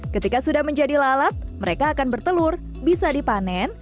ketika sudah menjadi lalat mereka akan bertelur bisa dipanen